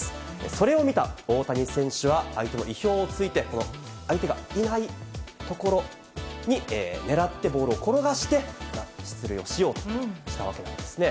それを見た大谷選手は、相手の意表をついて、この、相手がいない所に狙って、ボールを転がして出塁をしようとしたわけなんですね。